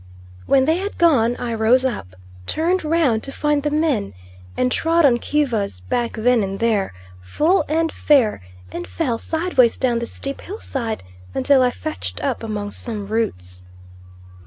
When they had gone I rose up, turned round to find the men, and trod on Kiva's back then and there, full and fair, and fell sideways down the steep hillside until I fetched up among some roots.